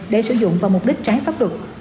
để sử dụng vào mục đích trái pháp luật